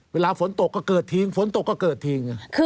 เวลาฝนตกก็เกิดทิ้งฝนตกก็เกิดทิ้ง